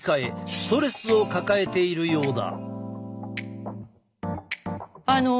ストレスを抱えているようだ。